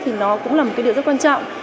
thì nó cũng là một điều rất quan trọng